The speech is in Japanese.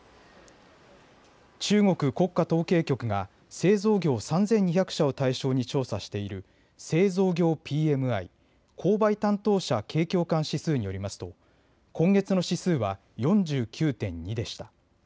中国国家統計局が製造業３２００社を対象に調査している製造業ＰＭＩ・購買担当者景況感指数によりますと今月の指数は４９．２でした。